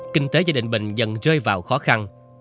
kinh tế gia đình bình dần rơi vào khó khăn